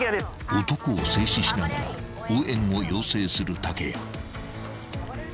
［男を静止しながら応援を要請する竹谷］